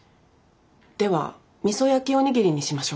ではみそ焼きおにぎりにしましょう。